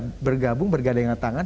untuk bisa bergabung bergadang tangan